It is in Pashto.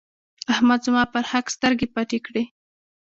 احمد زما پر حق سترګې پټې کړې.